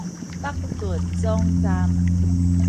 北屯總站